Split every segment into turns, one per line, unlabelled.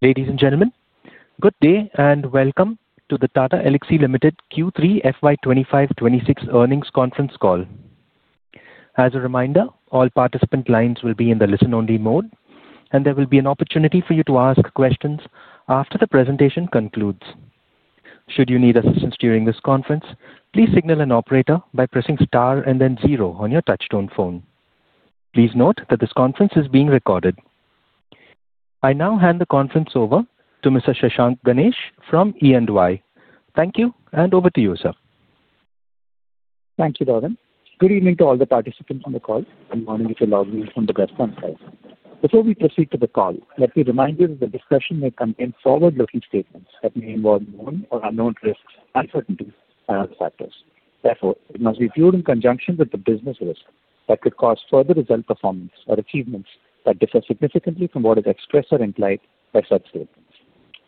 Ladies and gentlemen, good day and welcome to the Tata Elxsi Limited Q3 FY 2025-2026 Earnings Conference Call. As a reminder, all participant lines will be in the listen-only mode, and there will be an opportunity for you to ask questions after the presentation concludes. Should you need assistance during this conference, please signal an operator by pressing star and then zero on your touch-tone phone. Please note that this conference is being recorded. I now hand the conference over to Mr. Shashank Ganesh from EY. Thank you, and over to you, sir.
Thank you, Darwin. Good evening to all the participants on the call, and morning to all the guests on the call. Before we proceed to the call, let me remind you that the discussion may contain forward-looking statements that may involve known or unknown risks, uncertainties, and other factors. Therefore, it must be viewed in conjunction with the business risk that could cause further result performance or achievements that differ significantly from what is expressed or implied by such statements.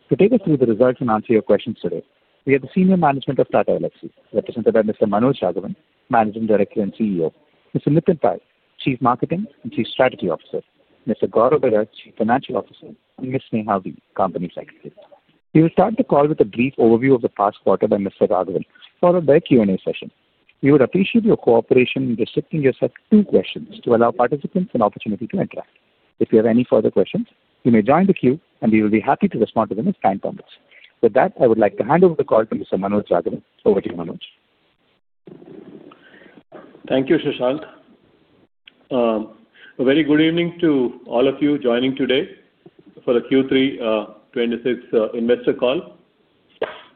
To take us through the results and answer your questions today, we have the senior management of Tata Elxsi, represented by Mr. Manoj Raghavan, Managing Director and CEO, Mr. Nitin Pai, Chief Marketing and Chief Strategy Officer, Mr. Gaurav Bajaj, Chief Financial Officer, and Ms. Neha V, Company Secretary. We will start the call with a brief overview of the past quarter by Mr. Raghavan, followed by a Q&A session. We would appreciate your cooperation in restricting yourself to two questions to allow participants an opportunity to interact. If you have any further questions, you may join the queue, and we will be happy to respond to them as time permits. With that, I would like to hand over the call to Mr. Manoj Raghavan. Over to you, Manoj.
Thank you, Shashank. A very good evening to all of you joining today for the Q3 2026 investor call,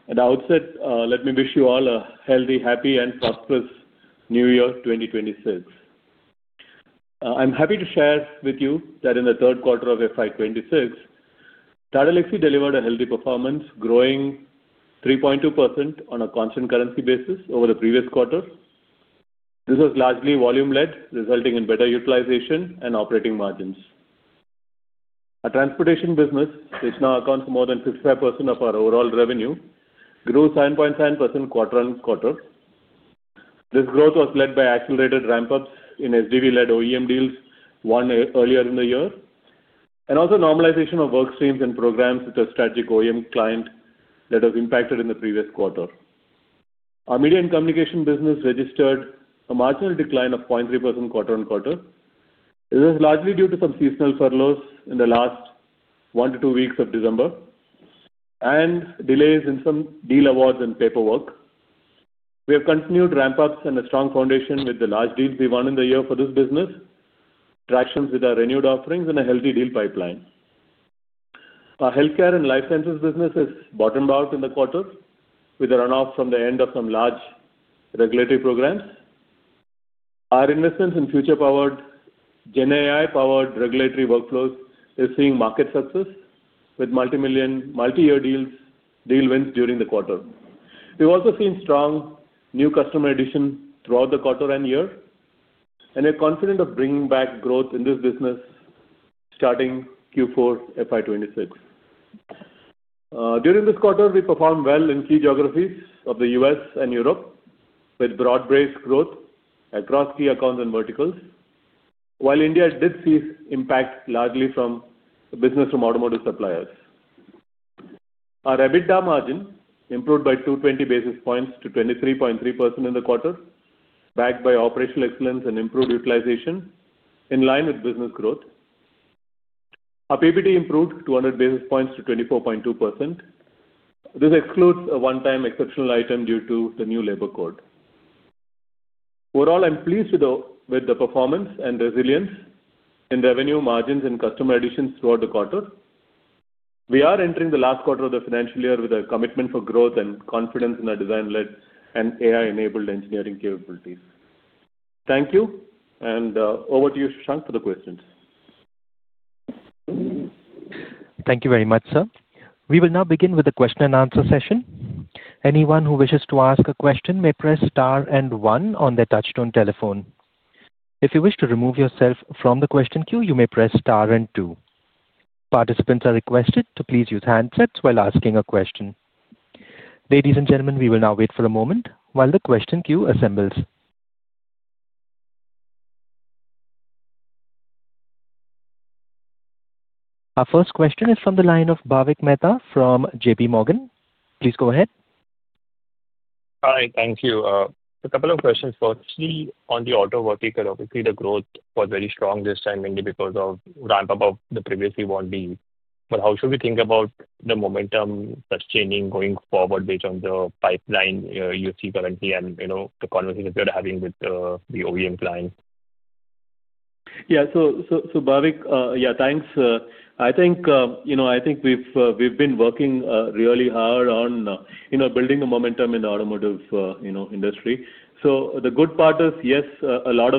and I would say, let me wish you all a healthy, happy, and prosperous New Year 2026. I'm happy to share with you that in the third quarter of FY 2026, Tata Elxsi delivered a healthy performance, growing 3.2% on a constant currency basis over the previous quarter. This was largely volume-led, resulting in better utilization and operating margins. Our transportation business, which now accounts for more than 55% of our overall revenue, grew 7.7% quarter on quarter. This growth was led by accelerated ramp-ups in SDV-led OEM deals won earlier in the year, and also normalization of work streams and programs with a strategic OEM client that was impacted in the previous quarter. Our media and communication business registered a marginal decline of 0.3% quarter-on-quarter. This was largely due to some seasonal furloughs in the last one to two weeks of December and delays in some deal awards and paperwork. We have continued ramp-ups and a strong foundation with the large deals we won in the year for this business, tractions with our renewed offerings, and a healthy deal pipeline. Our healthcare and life sciences business has bottomed out in the quarter, with a run-off from the end of some large regulatory programs. Our investments in future-powered GenAI-powered regulatory workflows are seeing market success, with multi-million, multi-year deal wins during the quarter. We've also seen strong new customer additions throughout the quarter and year, and we're confident of bringing back growth in this business starting Q4 FY 2026. During this quarter, we performed well in key geographies of the U.S. and Europe, with broad-based growth across key accounts and verticals, while India did see impact largely from business from automotive suppliers. Our EBITDA margin improved by 220 basis points to 23.3% in the quarter, backed by operational excellence and improved utilization in line with business growth. Our PBT improved 200 basis points to 24.2%. This excludes a one-time exceptional item due to the new Labour Code. Overall, I'm pleased with the performance and resilience in revenue, margins, and customer additions throughout the quarter. We are entering the last quarter of the financial year with a commitment for growth and confidence in our design-led and AI-enabled engineering capabilities. Thank you, and over to you, Shashank, for the questions.
Thank you very much, sir. We will now begin with the question-and-answer session. Anyone who wishes to ask a question may press star and one on their touch-tone telephone. If you wish to remove yourself from the question queue, you may press star and two. Participants are requested to please use handsets while asking a question. Ladies and gentlemen, we will now wait for a moment while the question queue assembles. Our first question is from the line of Bhavik Mehta from J.P. Morgan. Please go ahead.
Hi, thank you. A couple of questions. Actually, on the auto vertical, obviously, the growth was very strong this time, mainly because of the ramp-up of the previously won deal. But how should we think about the momentum sustaining going forward based on the pipeline you see currently and the conversations you're having with the OEM clients?
Yeah, so Bhavik, yeah, thanks. I think we've been working really hard on building the momentum in the automotive industry. So the good part is, yes, a lot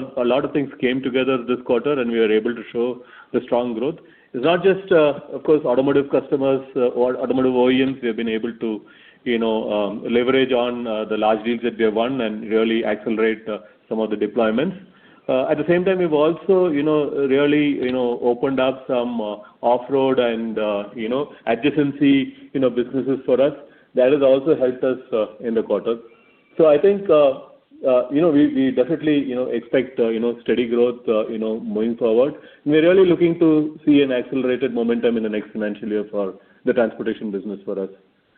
of things came together this quarter, and we were able to show the strong growth. It's not just, of course, automotive customers or automotive OEMs we have been able to leverage on the large deals that we have won and really accelerate some of the deployments. At the same time, we've also really opened up some off-road and adjacency businesses for us. That has also helped us in the quarter. So I think we definitely expect steady growth moving forward. We're really looking to see an accelerated momentum in the next financial year for the transportation business for us.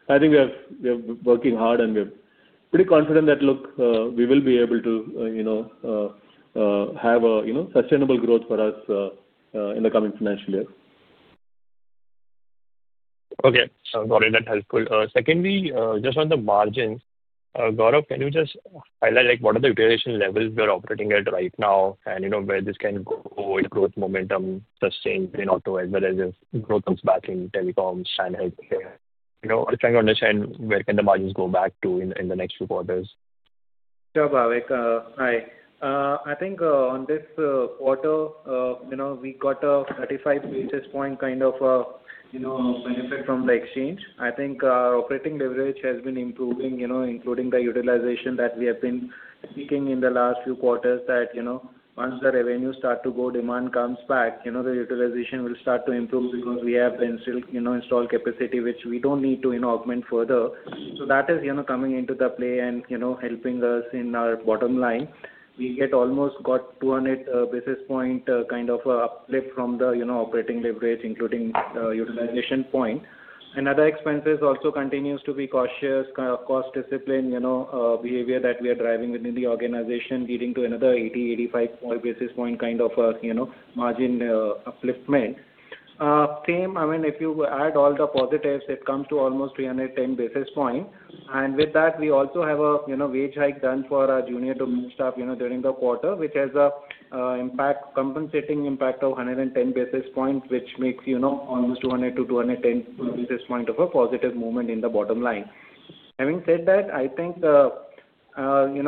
I think we're working hard, and we're pretty confident that, look, we will be able to have sustainable growth for us in the coming financial year.
Okay, so very much helpful. Secondly, just on the margins, Gaurav, can you just highlight what are the utilization levels we're operating at right now and where this can go with growth momentum sustained in auto as well as growth comes back in telecoms, healthcare? I'm trying to understand where can the margins go back to in the next few quarters.
Sure, Bhavik. Hi. I think on this quarter, we got a 35 basis point kind of benefit from the exchange. I think our operating leverage has been improving, including the utilization that we have been seeking in the last few quarters, that once the revenues start to go, demand comes back, the utilization will start to improve because we have installed capacity, which we don't need to augment further. So that is coming into the play and helping us in our bottom line. We almost got 200 basis point kind of uplift from the operating leverage, including utilization point. Another expense is also continues to be cautious cost discipline behavior that we are driving within the organization, leading to another 80, 85 basis point kind of margin upliftment. Same, I mean, if you add all the positives, it comes to almost 310 basis point. And with that, we also have a wage hike done for our junior to mid-level during the quarter, which has a compensating impact of 110 basis points, which makes almost 200-210 basis points of a positive movement in the bottom line. Having said that, I think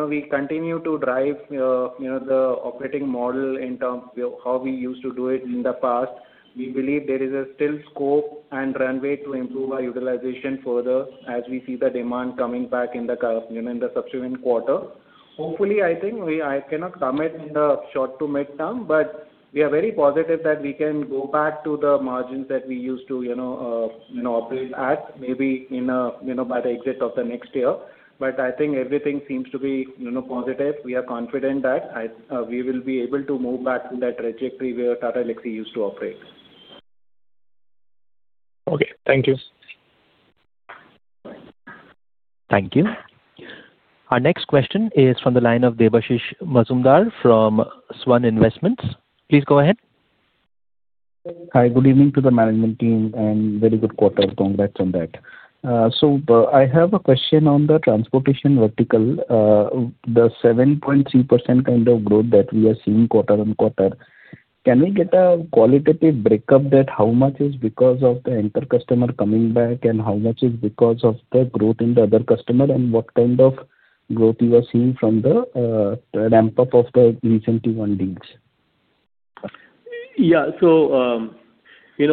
we continue to drive the operating model in terms of how we used to do it in the past. We believe there is still scope and runway to improve our utilization further as we see the demand coming back in the subsequent quarter. Hopefully, I think I cannot comment in the short- to medium-term, but we are very positive that we can go back to the margins that we used to operate at, maybe by the end of the next year. But I think everything seems to be positive. We are confident that we will be able to move back to that trajectory where Tata Elxsi used to operate.
Okay, thank you.
Thank you. Our next question is from the line of Debashish Mazumdar from SVAN Investments. Please go ahead.
Hi, good evening to the management team and very good quarter. Congrats on that. So I have a question on the transportation vertical. The 7.3% kind of growth that we are seeing quarter on quarter, can we get a qualitative breakup that how much is because of the anchor customer coming back and how much is because of the growth in the other customer and what kind of growth you are seeing from the ramp-up of the recent T1 deals?
Yeah, so there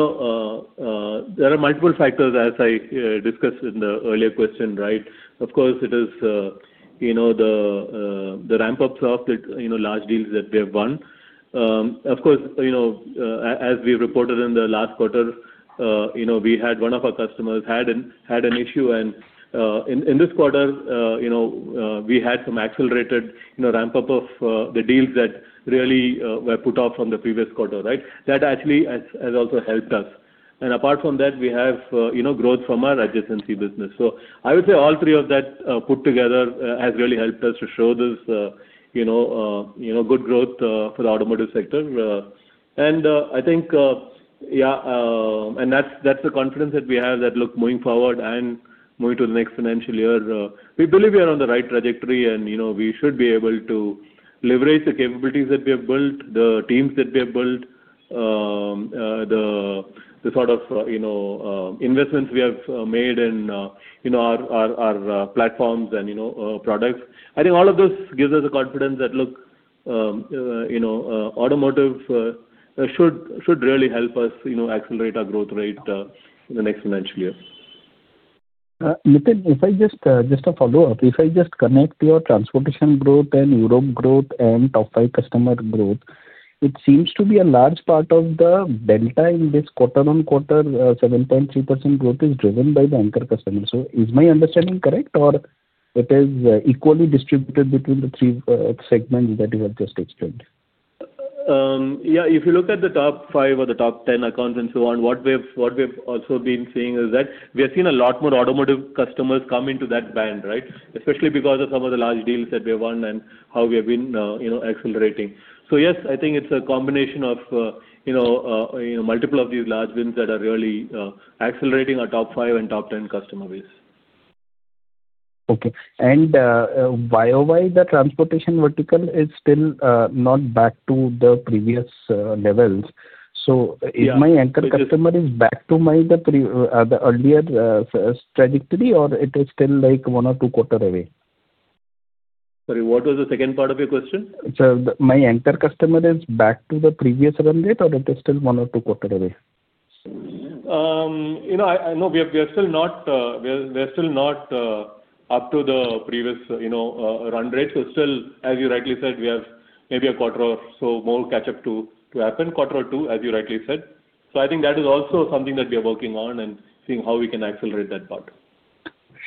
are multiple factors, as I discussed in the earlier question, right? Of course, it is the ramp-ups of the large deals that we have won. Of course, as we reported in the last quarter, we had one of our customers had an issue, and in this quarter, we had some accelerated ramp-up of the deals that really were put off from the previous quarter, right? That actually has also helped us. And apart from that, we have growth from our adjacency business. So I would say all three of that put together has really helped us to show this good growth for the automotive sector. I think, yeah, and that's the confidence that we have that, look, moving forward and moving to the next financial year, we believe we are on the right trajectory and we should be able to leverage the capabilities that we have built, the teams that we have built, the sort of investments we have made in our platforms and products. I think all of this gives us the confidence that, look, automotive should really help us accelerate our growth rate in the next financial year.
Nitin, if I just follow up, if I just connect your transportation growth and Europe growth and top five customer growth, it seems to be a large part of the delta in this quarter on quarter, 7.3% growth is driven by the anchor customers. So is my understanding correct, or it is equally distributed between the three segments that you have just explained?
Yeah, if you look at the top five or the top 10 accounts and so on, what we've also been seeing is that we have seen a lot more automotive customers come into that band, right? Especially because of some of the large deals that we have won and how we have been accelerating, so yes, I think it's a combination of multiple of these large wins that are really accelerating our top five and top 10 customer base.
Okay. And why is the transportation vertical still not back to the previous levels? So is my anchor customer back to the earlier trajectory, or it is still like one or two quarter away?
Sorry, what was the second part of your question?
My anchor customer is back to the previous run rate, or it is still one or two quarter away?
No, we are still not up to the previous run rate. So still, as you rightly said, we have maybe a quarter or so more catch-up to happen, quarter or two, as you rightly said. So I think that is also something that we are working on and seeing how we can accelerate that part.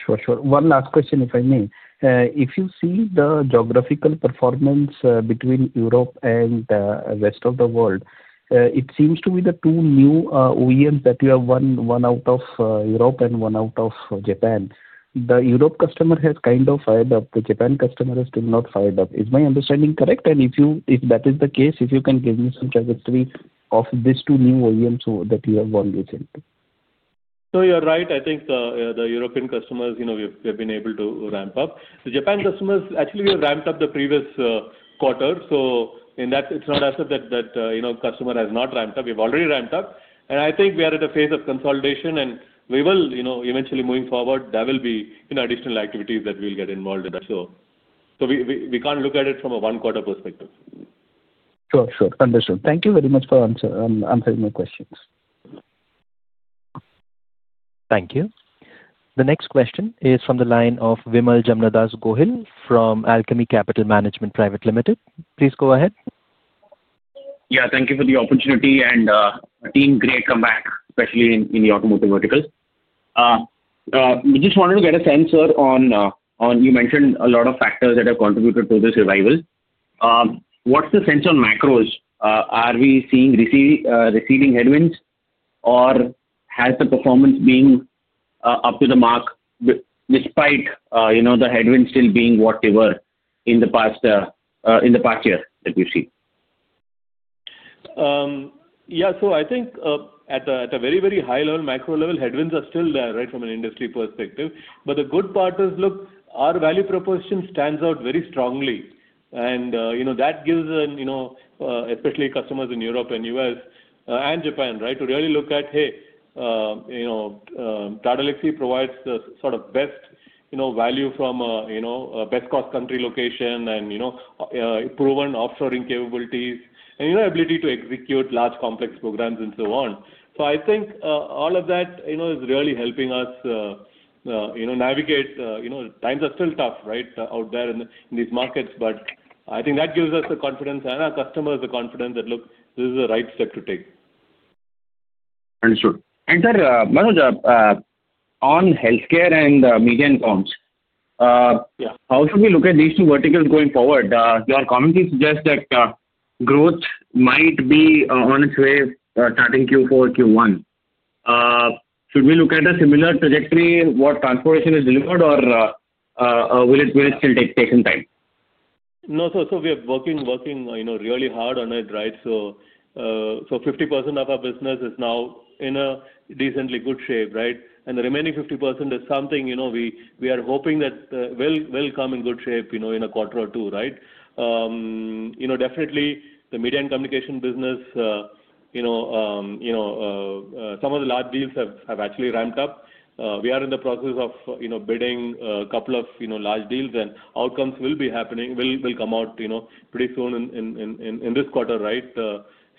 Sure, sure. One last question, if I may. If you see the geographical performance between Europe and the rest of the world, it seems to be the two new OEMs that you have won, one out of Europe and one out of Japan. The Europe customer has kind of fired up. The Japan customer has still not fired up. Is my understanding correct? And if that is the case, if you can give me some trajectory of these two new OEMs that you have won recently.
So you're right. I think the European customers, we have been able to ramp up. The Japan customers, actually, we have ramped up the previous quarter. So it's not as if that customer has not ramped up. We have already ramped up. And I think we are at a phase of consolidation, and we will eventually, moving forward, there will be additional activities that we will get involved in. So we can't look at it from a one-quarter perspective.
Sure, sure. Understood. Thank you very much for answering my questions.
Thank you. The next question is from the line of Vimal Jamnadas Gohil from Alchemy Capital Management Private Limited. Please go ahead.
Yeah, thank you for the opportunity and the team's great comeback, especially in the automotive vertical. We just wanted to get a sense, sir, on. You mentioned a lot of factors that have contributed to this revival. What's the sense on macros? Are we seeing receding headwinds, or has the performance been up to the mark despite the headwinds still being what they were in the past year that we've seen?
Yeah, so I think at a very, very high-level macro level, headwinds are still there, right, from an industry perspective. But the good part is, look, our value proposition stands out very strongly. And that gives them, especially customers in Europe and U.S. and Japan, right, to really look at, hey, Tata Elxsi provides the sort of best value from a best-cost country location and proven offshoring capabilities and ability to execute large complex programs and so on. So I think all of that is really helping us navigate. Times are still tough, right, out there in these markets, but I think that gives us the confidence and our customers the confidence that, look, this is the right step to take.
Sir, Manoj, on healthcare and media and comms, how should we look at these two verticals going forward? You are commonly suggesting that growth might be on its way starting Q4, Q1. Should we look at a similar trajectory? What transformation is delivered, or will it still take time?
No, so we are working really hard on it, right? So 50% of our business is now in a decently good shape, right? And the remaining 50% is something we are hoping that will come in good shape in a quarter or two, right? Definitely, the media and communication business, some of the large deals have actually ramped up. We are in the process of bidding a couple of large deals, and outcomes will be happening, will come out pretty soon in this quarter, right?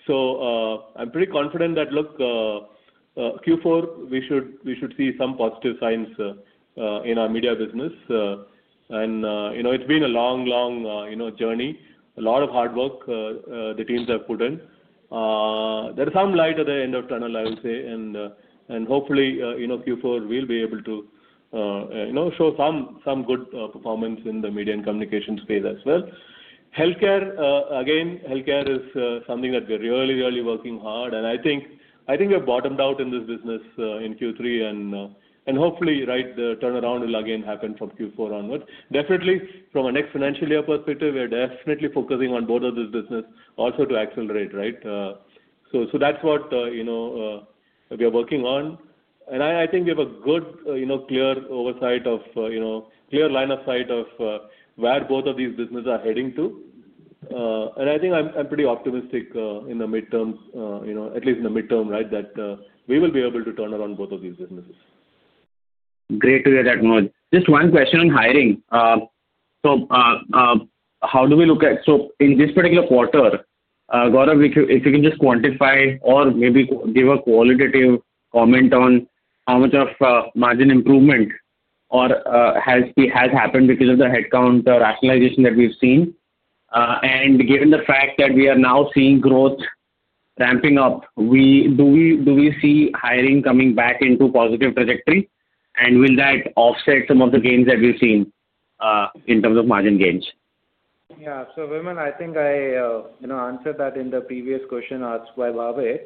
So I'm pretty confident that, look, Q4, we should see some positive signs in our media business. And it's been a long, long journey, a lot of hard work the teams have put in. There is some light at the end of tunnel, I would say, and hopefully, Q4, we'll be able to show some good performance in the media and communications space as well. Healthcare, again, healthcare is something that we are really, really working hard. And I think we have bottomed out in this business in Q3, and hopefully, right, the turnaround will again happen from Q4 onward. Definitely, from a next financial year perspective, we are definitely focusing on both of these businesses also to accelerate, right? So that's what we are working on. And I think we have a good, clear oversight of clear line of sight of where both of these businesses are heading to. And I think I'm pretty optimistic in the midterm, at least in the midterm, right, that we will be able to turn around both of these businesses.
Great to hear that, Manoj. Just one question on hiring. So how do we look at so in this particular quarter, Gaurav, if you can just quantify or maybe give a qualitative comment on how much of margin improvement has happened because of the headcount rationalization that we've seen. And given the fact that we are now seeing growth ramping up, do we see hiring coming back into a positive trajectory? And will that offset some of the gains that we've seen in terms of margin gains?
Yeah. So Vimal, I think I answered that in the previous question asked by Bhavik.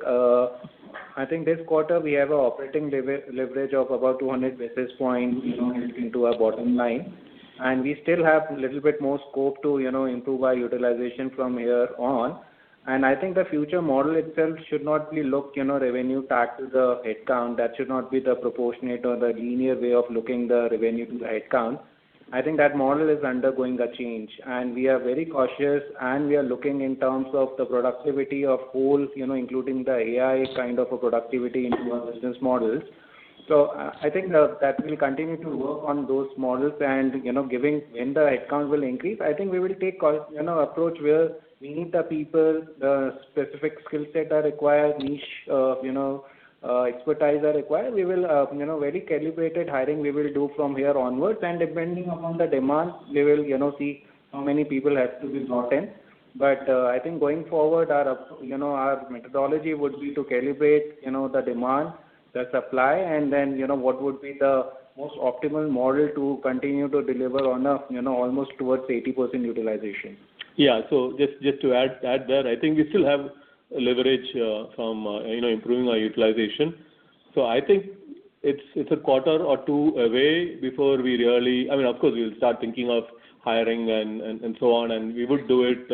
I think this quarter, we have an operating leverage of about 200 basis points into our bottom line. And we still have a little bit more scope to improve our utilization from here on. And I think the future model itself should not be looking at revenue to the headcount. That should not be the proportionate or the linear way of looking at the revenue to the headcount. I think that model is undergoing a change. And we are very cautious, and we are looking in terms of the productivity overall, including the AI kind of productivity into our business models. So I think that we'll continue to work on those models. And given when the headcount will increase, I think we will take an approach where we need the people, the specific skill set that are required, niche expertise that are required. We will have very calibrated hiring, we will do from here onwards. And depending upon the demand, we will see how many people have to be brought in. But I think going forward, our methodology would be to calibrate the demand, the supply, and then what would be the most optimal model to continue to deliver on almost towards 80% utilization.
Yeah, so just to add there, I think we still have leverage from improving our utilization. So I think it's a quarter or two away before we really, I mean, of course, we'll start thinking of hiring and so on, and we would do it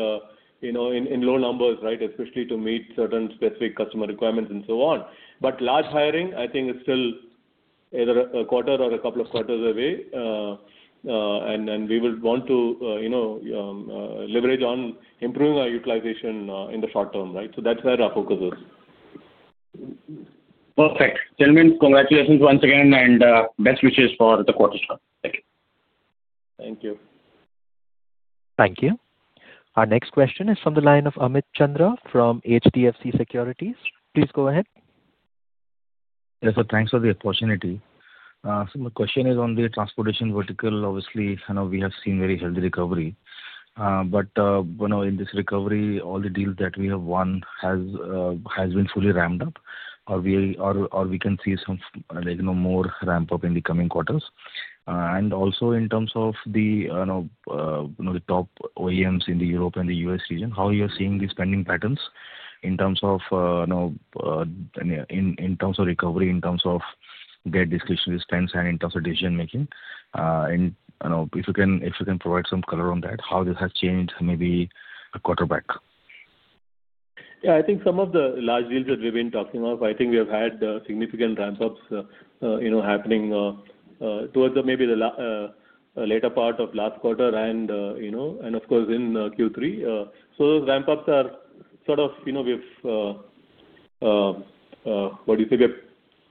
in low numbers, right, especially to meet certain specific customer requirements and so on. But large hiring, I think, is still either a quarter or a couple of quarters away. And we would want to leverage on improving our utilization in the short term, right? So that's where our focus is.
Perfect. Gentlemen, congratulations once again, and best wishes for the quarter's run. Thank you.
Thank you.
Thank you. Our next question is from the line of Amit Chandra from HDFC Securities. Please go ahead.
Yes, so thanks for the opportunity. So my question is on the transportation vertical. Obviously, we have seen very healthy recovery. But in this recovery, all the deals that we have won have been fully ramped up, or we can see some more ramp-up in the coming quarters. And also in terms of the top OEMs in the Europe and the US region, how are you seeing these spending patterns in terms of recovery, in terms of their discretionary spends, and in terms of decision-making? And if you can provide some color on that, how this has changed maybe a quarter back?
Yeah, I think some of the large deals that we've been talking of, I think we have had significant ramp-ups happening towards maybe the later part of last quarter and, of course, in Q3, so those ramp-ups are sort of, what do you say?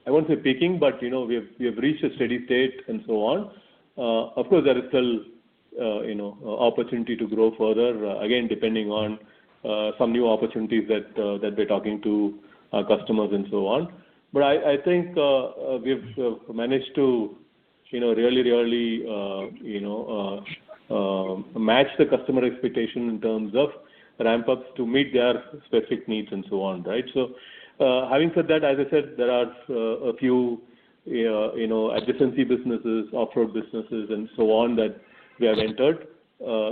I won't say peaking, but we have reached a steady state and so on. Of course, there is still opportunity to grow further, again, depending on some new opportunities that we're talking to our customers and so on, but I think we've managed to really, really match the customer expectation in terms of ramp-ups to meet their specific needs and so on, right? So having said that, as I said, there are a few adjacency businesses, off-highway businesses, and so on that we have entered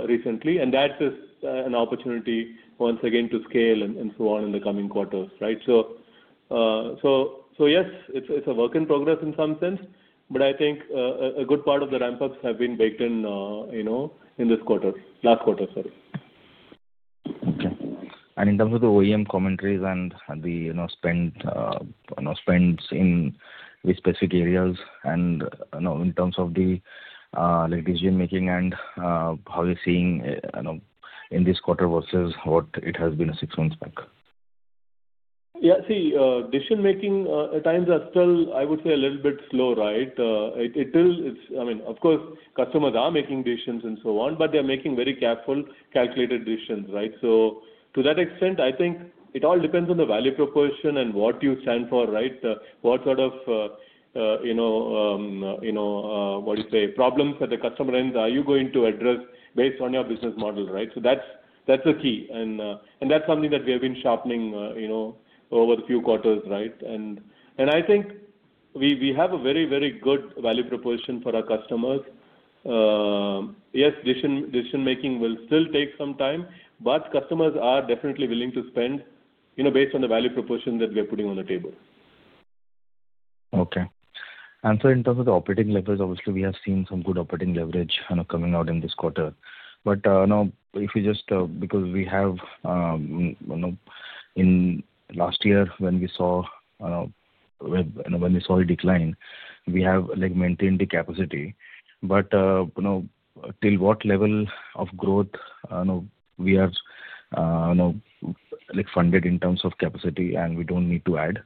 recently, and that is an opportunity, once again, to scale and so on in the coming quarters, right? So yes, it's a work in progress in some sense, but I think a good part of the ramp-ups have been baked in this quarter, last quarter, sorry.
Okay. And in terms of the OEM commentaries and the spend in specific areas and in terms of the decision-making and how you're seeing in this quarter versus what it has been six months back?
Yeah, see, decision-making times are still, I would say, a little bit slow, right? I mean, of course, customers are making decisions and so on, but they're making very careful, calculated decisions, right? So to that extent, I think it all depends on the value proposition and what you stand for, right? What sort of, what do you say, problems that the customer ends, are you going to address based on your business model, right? So that's the key, and that's something that we have been sharpening over the few quarters, right? And I think we have a very, very good value proposition for our customers. Yes, decision-making will still take some time, but customers are definitely willing to spend based on the value proposition that we are putting on the table.
Okay. And so in terms of the operating levers, obviously, we have seen some good operating leverage coming out in this quarter. But if you just because we have in last year, when we saw a decline, we have maintained the capacity. But till what level of growth we are funded in terms of capacity, and we don't need to add?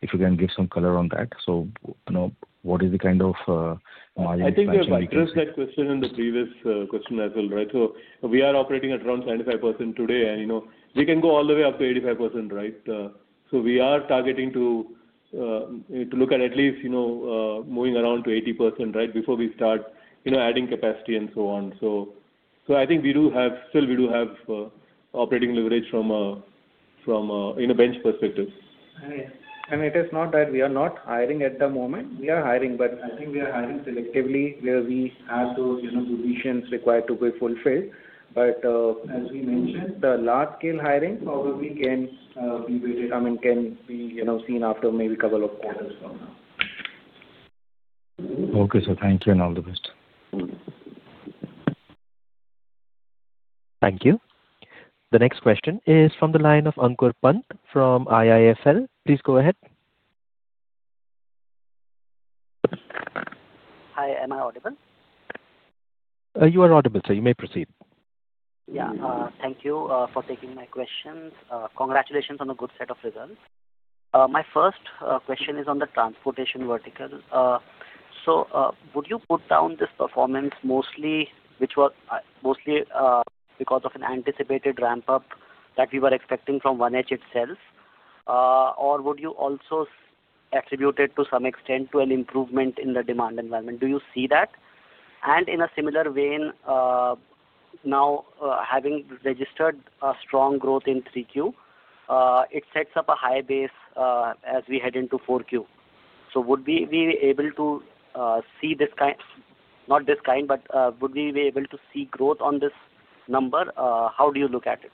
If you can give some color on that, so what is the kind of margin expectation?
I think we addressed that question in the previous question as well, right? So we are operating at around 75% today, and we can go all the way up to 85%, right? So we are targeting to look at least moving around to 80%, right, before we start adding capacity and so on. So I think we do have still operating leverage from a bench perspective.
It is not that we are not hiring at the moment. We are hiring, but I think we are hiring selectively where we have those conditions required to be fulfilled. As we mentioned, the large-scale hiring probably can be waited I mean, can be seen after maybe a couple of quarters from now.
Okay, so thank you and all the best.
Thank you. The next question is from the line of Ankur Pant from IIFL. Please go ahead.
Hi, am I audible?
You are audible, so you may proceed.
Yeah, thank you for taking my questions. Congratulations on a good set of results. My first question is on the transportation vertical. So would you put down this performance mostly because of an anticipated ramp-up that we were expecting from 1H itself, or would you also attribute it to some extent to an improvement in the demand environment? Do you see that? And in a similar vein, now having registered a strong growth in 3Q, it sets up a high base as we head into 4Q. So would we be able to see this kind, but would we be able to see growth on this number? How do you look at it?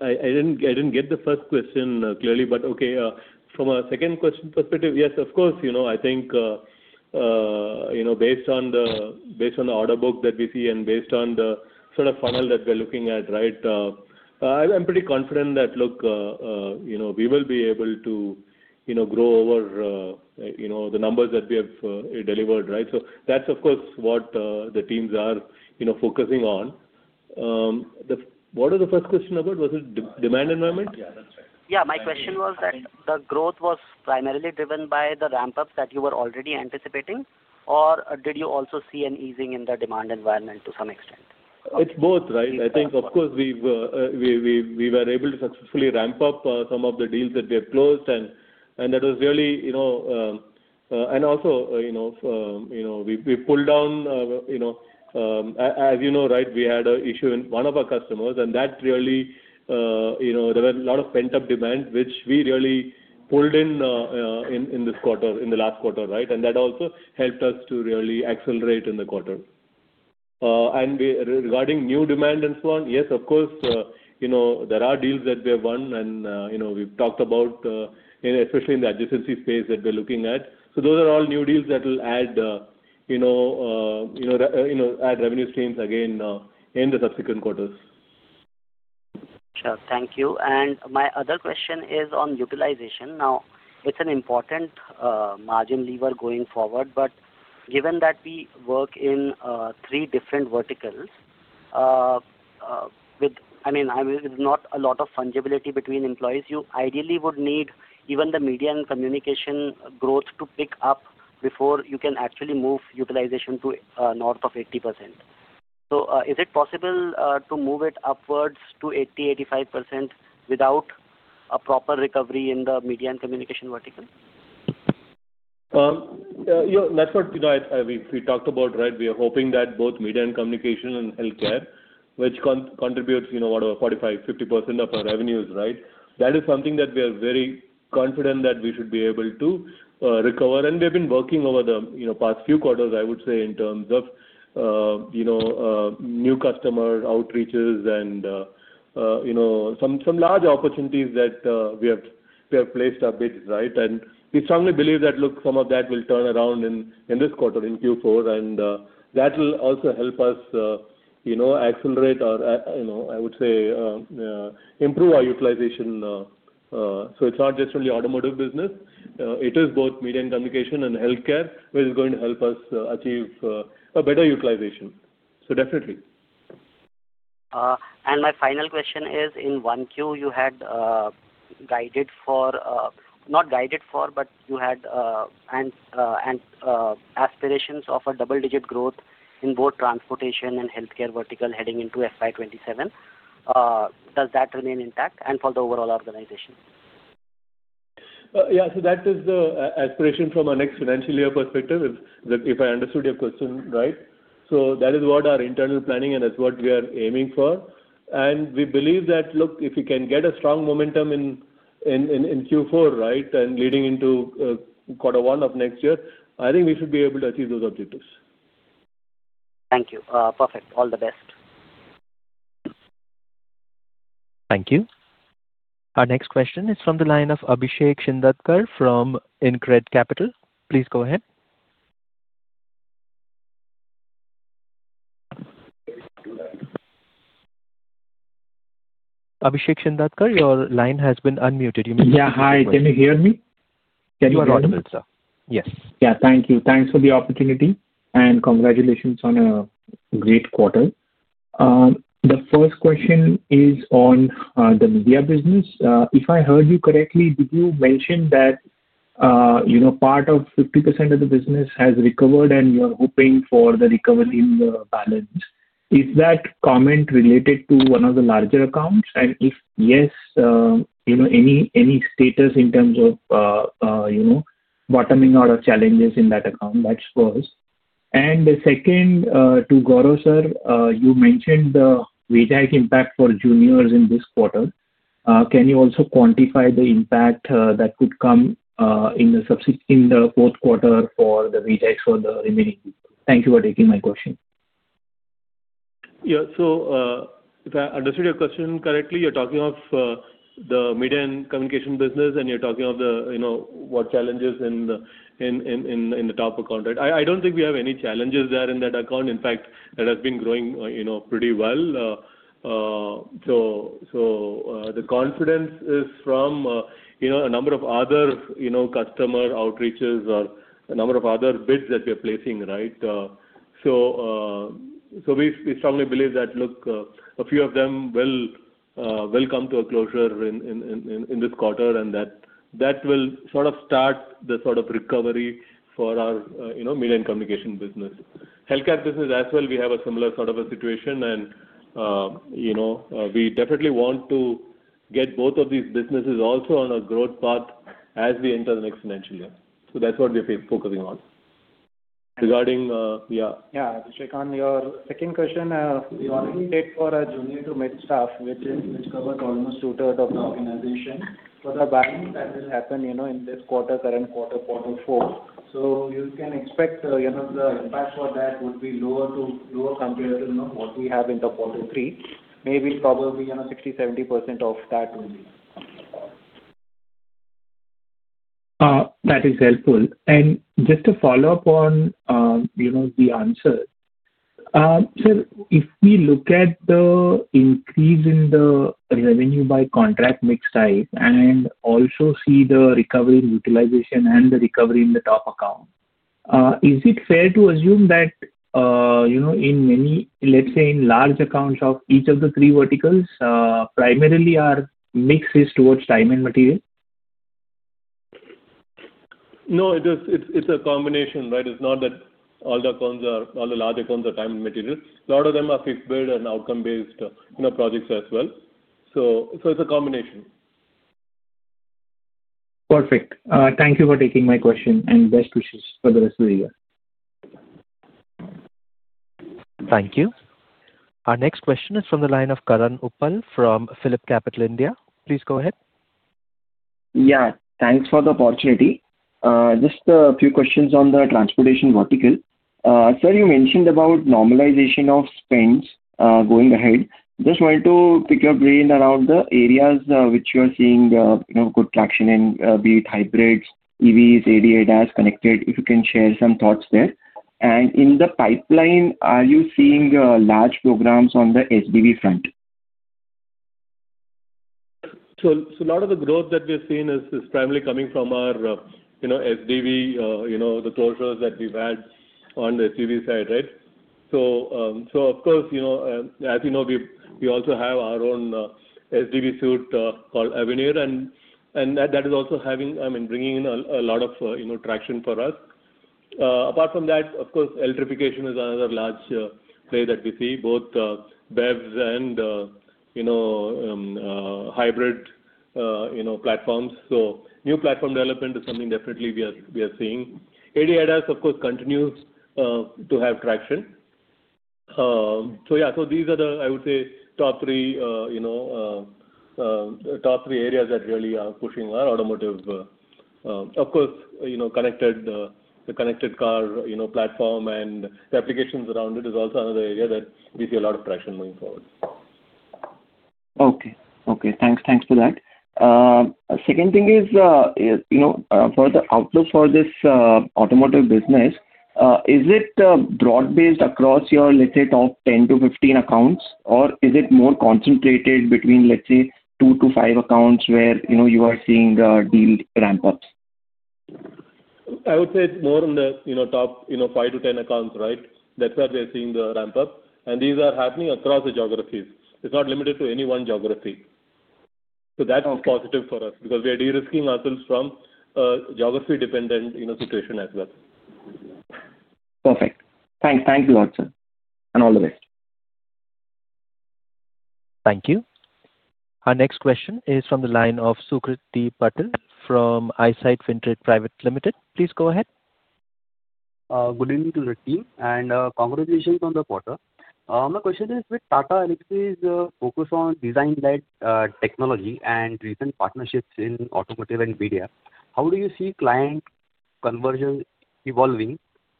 I didn't get the first question clearly, but okay. From a second question perspective, yes, of course. I think based on the order book that we see and based on the sort of funnel that we're looking at, right, I'm pretty confident that, look, we will be able to grow over the numbers that we have delivered, right? So that's, of course, what the teams are focusing on. What was the first question about? Was it demand environment?
Yeah, that's right. Yeah, my question was that the growth was primarily driven by the ramp-ups that you were already anticipating, or did you also see an easing in the demand environment to some extent?
It's both, right? I think, of course, we were able to successfully ramp up some of the deals that we have closed, and that was really, and also, we pulled down, as you know, right, we had an issue in one of our customers, and that really, there were a lot of pent-up demand, which we really pulled in in this quarter, in the last quarter, right, and that also helped us to really accelerate in the quarter, and regarding new demand and so on, yes, of course, there are deals that we have won, and we've talked about, especially in the adjacency space that we're looking at, so those are all new deals that will add revenue streams again in the subsequent quarters.
Sure, thank you, and my other question is on utilization. Now, it's an important margin lever going forward, but given that we work in three different verticals, I mean, there's not a lot of fungibility between employees. You ideally would need even the media and communication growth to pick up before you can actually move utilization to north of 80%. So is it possible to move it upwards to 80%-85% without a proper recovery in the media and communication vertical?
That's what we talked about, right? We are hoping that both media and communication and healthcare, which contributes about 45%-50% of our revenues, right? That is something that we are very confident that we should be able to recover. And we've been working over the past few quarters, I would say, in terms of new customer outreaches and some large opportunities that we have placed our bids, right? And we strongly believe that, look, some of that will turn around in this quarter, in Q4, and that will also help us accelerate or, I would say, improve our utilization. So it's not just only automotive business. It is both media and communication and healthcare, which is going to help us achieve a better utilization. So definitely.
My final question is, in 1Q, you had guided for, but you had aspirations of a double-digit growth in both transportation and healthcare vertical heading into FY 2027. Does that remain intact? And for the overall organization?
Yeah, so that is the aspiration from our next financial year perspective, if I understood your question right. So that is what our internal planning, and that's what we are aiming for. And we believe that, look, if we can get a strong momentum in Q4, right, and leading into quarter one of next year, I think we should be able to achieve those objectives.
Thank you. Perfect. All the best.
Thank you. Our next question is from the line of Abhishek Shindadkar from InCred Capital. Please go ahead. Abhishek Shindadkar, your line has been unmuted. You may.
Yeah, hi. Can you hear me? Can you hear me?
You are unmuted, sir. Yes.
Yeah, thank you. Thanks for the opportunity, and congratulations on a great quarter. The first question is on the media business. If I heard you correctly, did you mention that part of 50% of the business has recovered, and you're hoping for the recovery in the balance? Is that comment related to one of the larger accounts? And if yes, any status in terms of bottoming out of challenges in that account? That's first. And the second, to Gaurav, sir, you mentioned the wage hike impact for juniors in this quarter. Can you also quantify the impact that could come in the fourth quarter for the wage hike's for the remaining people? Thank you for taking my question.
Yeah, so if I understood your question correctly, you're talking of the media and communication business, and you're talking of what challenges in the top account. I don't think we have any challenges there in that account. In fact, it has been growing pretty well. So the confidence is from a number of other customer outreaches or a number of other bids that we are placing, right? So we strongly believe that, look, a few of them will come to a closure in this quarter, and that will sort of start the sort of recovery for our media and communication business. Healthcare business as well, we have a similar sort of a situation, and we definitely want to get both of these businesses also on a growth path as we enter the next financial year. So that's what we're focusing on. Regarding, yeah.
Yeah, Abhishek, on your second question, you already said for a junior to mid-staff, which covers almost two-thirds of the organization. For the balance, that will happen in this quarter, current quarter, quarter four. So you can expect the impact for that would be lower compared to what we have in the quarter three. Maybe probably 60%-70% of that will be.
That is helpful. And just to follow up on the answer, sir, if we look at the increase in the revenue by contract mixed type and also see the recovery in utilization and the recovery in the top account, is it fair to assume that in many, let's say, in large accounts of each of the three verticals, primarily our mix is towards time and material?
No, it's a combination, right? It's not that all the accounts are all the large accounts are time and material. A lot of them are fixed-bid and outcome-based projects as well. So it's a combination.
Perfect. Thank you for taking my question, and best wishes for the rest of the year.
Thank you. Our next question is from the line of Karan Uppal from Phillip Capital India. Please go ahead.
Yeah, thanks for the opportunity. Just a few questions on the transportation vertical. Sir, you mentioned about normalization of spends going ahead. Just wanted to pick your brain around the areas which you are seeing good traction in, be it hybrids, EVs, ADAS, connected, if you can share some thoughts there. And in the pipeline, are you seeing large programs on the SDV front?
A lot of the growth that we have seen is primarily coming from our SDV, the closures that we've had on the SDV side, right? Of course, as you know, we also have our own SDV suite called Avenir, and that is also having, I mean, bringing in a lot of traction for us. Apart from that, of course, electrification is another large play that we see, both BEVs and hybrid platforms. New platform development is something definitely we are seeing. ADAS, of course, continue to have traction. Yeah, these are the, I would say, top three areas that really are pushing our automotive. Of course, connected car platform and the applications around it is also another area that we see a lot of traction moving forward.
Okay. Okay, thanks. Thanks for that. A second thing is for the outlook for this automotive business, is it broad-based across your, let's say, top 10-15 accounts, or is it more concentrated between, let's say, two to five accounts where you are seeing the deal ramp-ups?
I would say it's more on the top five to 10 accounts, right? That's where we are seeing the ramp-up, and these are happening across the geographies. It's not limited to any one geography. So that's positive for us because we are de-risking ourselves from a geography-dependent situation as well.
Perfect. Thanks. Thank you a lot, sir. And all the best.
Thank you. Our next question is from the line of Sukriti Patil from Eyesight Fintrade Private Limited. Please go ahead.
Good evening to the team, and congratulations on the quarter. My question is, with Tata Elxsi's focus on design-led technology and recent partnerships in automotive and media, how do you see client conversions evolving?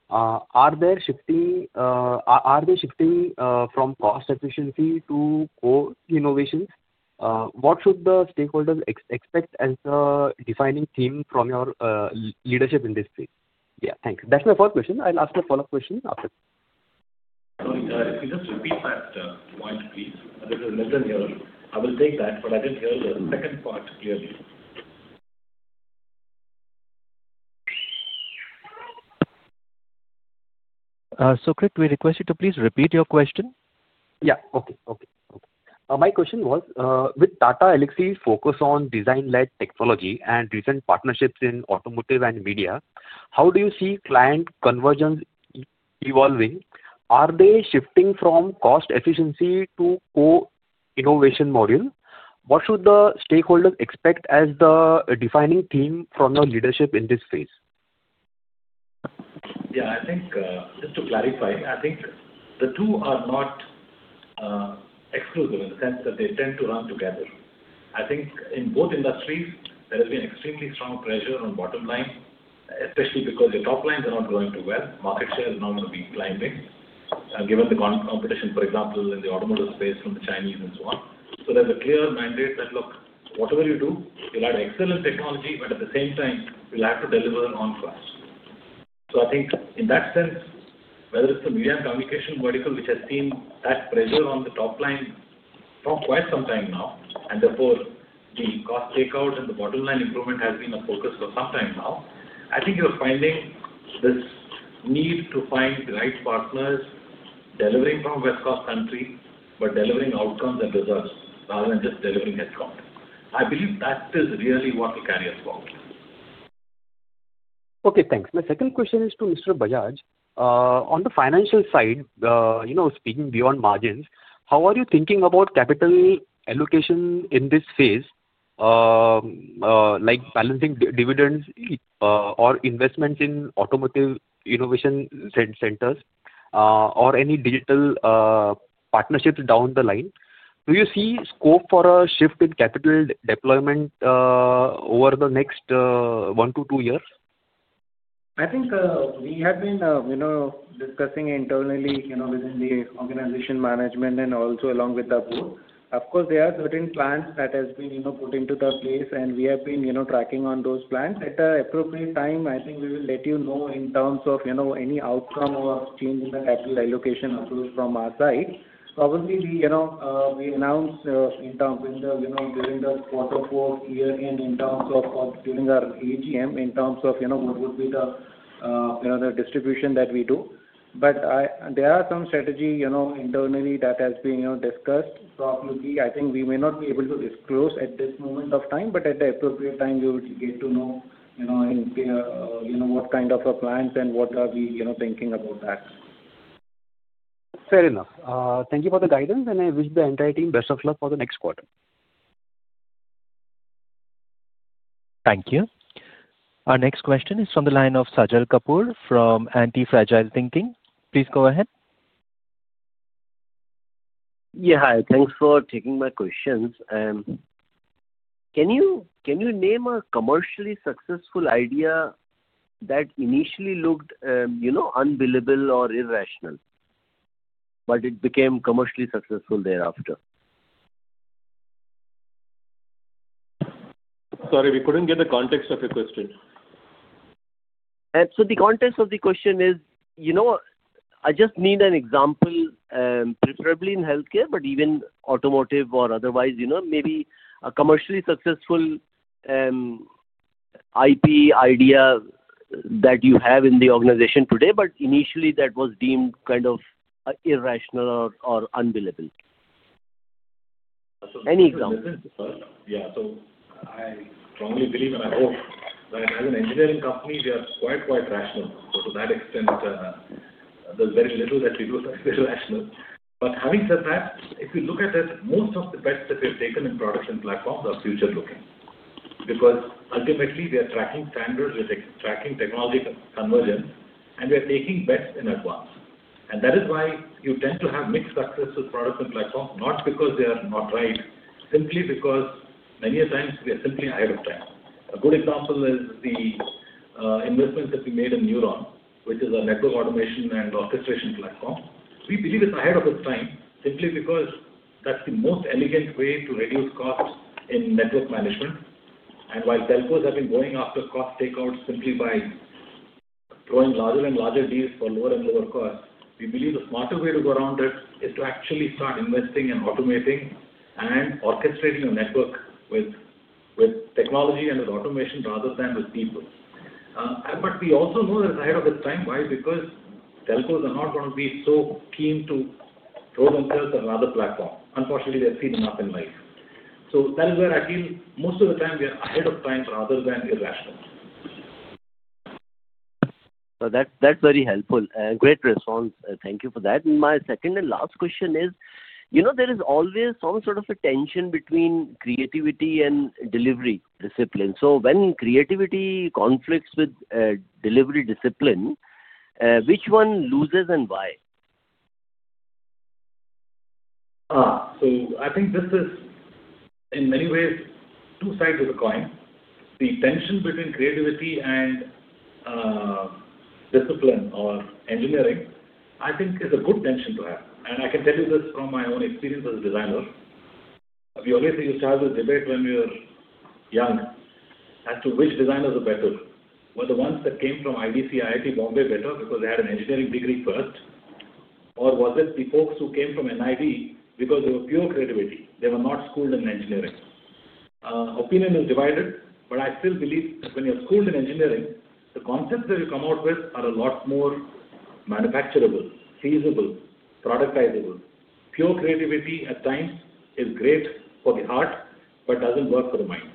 Are they shifting from cost efficiency to core innovations? What should the stakeholders expect as a defining theme from your leadership in this space? Yeah, thanks. That's my first question. I'll ask the follow-up question after.
Sorry, if you just repeat that point, please. I didn't hear it. I will take that, but I didn't hear the second part clearly.
Sukriti, we request you to please repeat your question.
Yeah. Okay. My question was, with Tata Elxsi's focus on design-led technology and recent partnerships in automotive and media, how do you see client conversions evolving? Are they shifting from cost efficiency to core innovation module? What should the stakeholders expect as the defining theme from your leadership in this phase?
Yeah, I think just to clarify, I think the two are not exclusive in the sense that they tend to run together. I think in both industries, there has been extremely strong pressure on bottom line, especially because the top lines are not going too well. Market share is normally climbing, given the competition, for example, in the automotive space from the Chinese and so on. So there's a clear mandate that, look, whatever you do, you'll have excellent technology, but at the same time, you'll have to deliver on cost. So I think in that sense, whether it's the media and communication vertical, which has seen that pressure on the top line for quite some time now, and therefore the cost takeout and the bottom line improvement has been a focus for some time now, I think you're finding this need to find the right partners delivering from a West Coast country, but delivering outcomes and results rather than just delivering headcount. I believe that is really what we're carrying forward.
Okay, thanks. My second question is to Mr. Bajaj. On the financial side, speaking beyond margins, how are you thinking about capital allocation in this phase, like balancing dividends or investments in automotive innovation centers or any digital partnerships down the line? Do you see scope for a shift in capital deployment over the next one to two years?
I think we have been discussing internally within the organization management and also along with the board. Of course, there are certain plans that have been put in place, and we have been tracking those plans. At the appropriate time, I think we will let you know in terms of any outcome or change in the capital allocation approach from our side. Probably we announce in terms of during the quarter four year-end in terms of during our AGM in terms of what would be the distribution that we do, but there are some strategies internally that have been discussed. So obviously, I think we may not be able to disclose at this moment of time, but at the appropriate time, we would get to know what kind of plans and what are we thinking about that.
Fair enough. Thank you for the guidance, and I wish the entire team best of luck for the next quarter.
Thank you. Our next question is from the line of Sajal Kapoor from Anti-Fragile Thinking. Please go ahead.
Yeah, hi. Thanks for taking my questions. Can you name a commercially successful idea that initially looked unbelievable or irrational, but it became commercially successful thereafter?
Sorry, we couldn't get the context of your question.
So, the context of the question is, I just need an example, preferably in healthcare, but even automotive or otherwise, maybe a commercially successful IP idea that you have in the organization today, but initially that was deemed kind of irrational or unbelievable. Any example?
Yeah, so I strongly believe and I hope that as an engineering company, we are quite, quite rational, so to that extent, there's very little that we do that is irrational, but having said that, if you look at it, most of the bets that we have taken in products and platforms are future-looking because ultimately, we are tracking standards, we are tracking technological convergence, and we are taking bets in advance, and that is why you tend to have mixed success with products and platforms, not because they are not right, simply because many times we are simply ahead of time. A good example is the investment that we made in NEURON, which is a network automation and orchestration platform. We believe it's ahead of its time simply because that's the most elegant way to reduce costs in network management. And while telcos have been going after cost takeout simply by growing larger and larger deals for lower and lower costs, we believe the smarter way to go around it is to actually start investing and automating and orchestrating a network with technology and with automation rather than with people. But we also know that it's ahead of its time. Why? Because telcos are not going to be so keen to throw themselves at other platforms. Unfortunately, they've seen enough in life. So that is where I feel most of the time we are ahead of time rather than irrational.
So that's very helpful. Great response. Thank you for that. And my second and last question is, there is always some sort of a tension between creativity and delivery discipline. So when creativity conflicts with delivery discipline, which one loses and why?
I think this is in many ways two sides of the coin. The tension between creativity and discipline or engineering, I think, is a good tension to have. I can tell you this from my own experience as a designer. We always used to have this debate when we were young as to which designers are better. Were the ones that came from IDC, IIT Bombay better because they had an engineering degree first, or was it the folks who came from NID because they were pure creativity? They were not schooled in engineering. Opinion is divided, but I still believe that when you're schooled in engineering, the concepts that you come out with are a lot more manufacturable, feasible, productizable. Pure creativity at times is great for the heart, but doesn't work for the mind.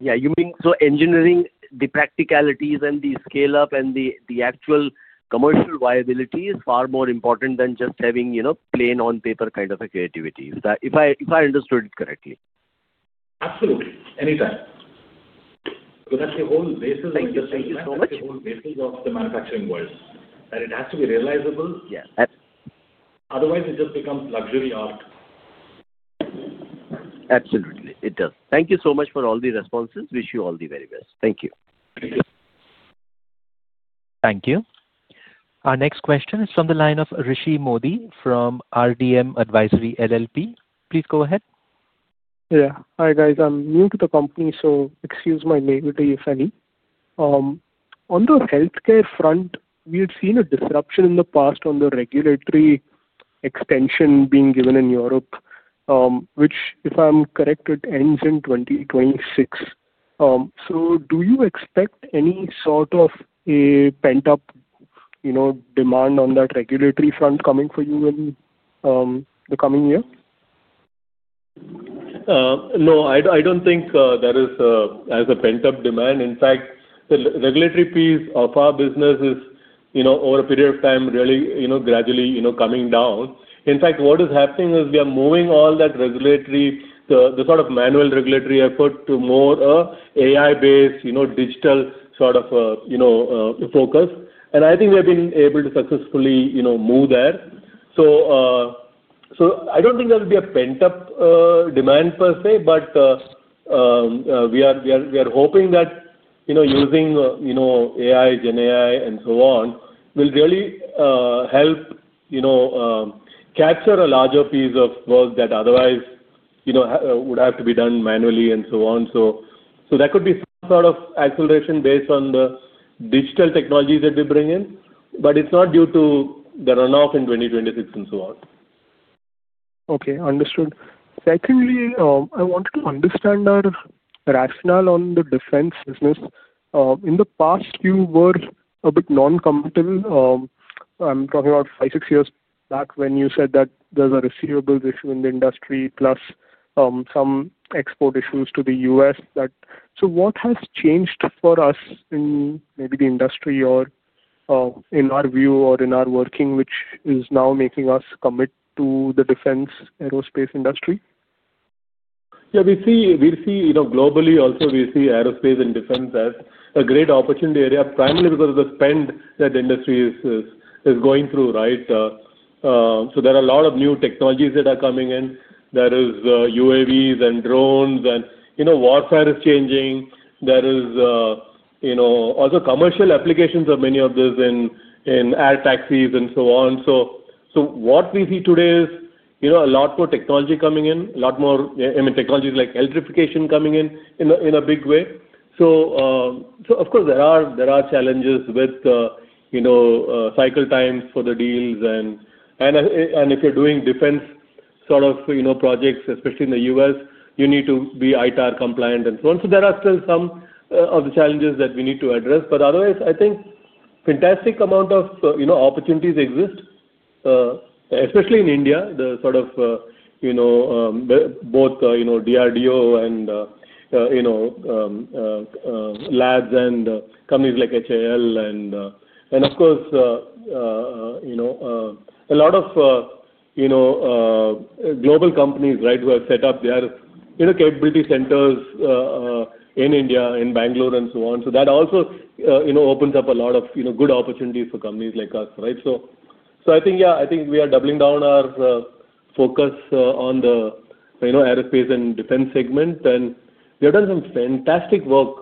Yeah, so engineering, the practicalities and the scale-up and the actual commercial viability is far more important than just having plain on paper kind of a creativity, if I understood it correctly.
Absolutely. Anytime. So that's the whole basis of the manufacturing world, that it has to be realizable. Otherwise, it just becomes luxury art.
Absolutely. It does. Thank you so much for all the responses. Wish you all the very best. Thank you.
Thank you.
Thank you. Our next question is from the line of Rishi Mody from RDM Advisory LLP. Please go ahead.
Yeah. Hi guys. I'm new to the company, so excuse my naivety, if any. On the healthcare front, we had seen a disruption in the past on the regulatory extension being given in Europe, which, if I'm correct, it ends in 2026. So do you expect any sort of a pent-up demand on that regulatory front coming for you in the coming year?
No, I don't think there is a pent-up demand. In fact, the regulatory piece of our business is, over a period of time, really gradually coming down. In fact, what is happening is we are moving all that regulatory, the sort of manual regulatory effort, to more AI-based, digital sort of focus. And I think we have been able to successfully move there. So I don't think there will be a pent-up demand per se, but we are hoping that using AI, GenAI, and so on will really help capture a larger piece of work that otherwise would have to be done manually and so on. So there could be some sort of acceleration based on the digital technologies that we bring in, but it's not due to the run-off in 2026 and so on.
Okay. Understood. Secondly, I wanted to understand your rationale on the defense business. In the past, you were a bit non-comfortable. I'm talking about five, six years back when you said that there's a receivables issue in the industry, plus some export issues to the U.S. So what has changed for us in maybe the industry or in our view or in our working, which is now making us commit to the defense aerospace industry?
Yeah. We see globally also, we see aerospace and defense as a great opportunity area, primarily because of the spend that the industry is going through, right? So there are a lot of new technologies that are coming in. There are UAVs and drones, and warfare is changing. There are also commercial applications of many of these in air taxis and so on. So what we see today is a lot more technology coming in, a lot more technologies like electrification coming in in a big way. So of course, there are challenges with cycle times for the deals. And if you're doing defense sort of projects, especially in the U.S., you need to be ITAR compliant and so on. So there are still some of the challenges that we need to address. But otherwise, I think a fantastic amount of opportunities exist, especially in India, the sort of both DRDO and labs and companies like HAL, and of course, a lot of global companies, right, who have set up their capability centers in India, in Bangalore, and so on, so that also opens up a lot of good opportunities for companies like us, right, so I think, yeah, I think we are doubling down our focus on the aerospace and defense segment, and we have done some fantastic work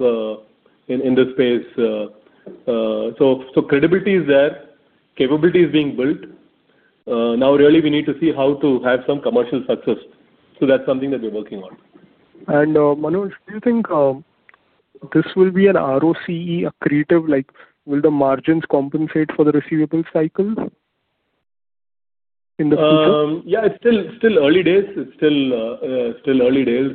in this space, so credibility is there. Capability is being built. Now, really, we need to see how to have some commercial success, so that's something that we're working on.
Manoj, do you think this will be an ROCE accretive? Will the margins compensate for the receivables cycle in the future?
Yeah. It's still early days. It's still early days.